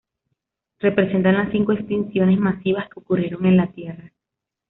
Representa las cinco extinciones masivas que ocurrieron en la Tierra.